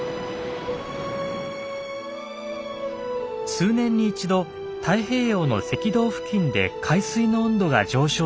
数年に一度太平洋の赤道付近で海水の温度が上昇する現象が起きます。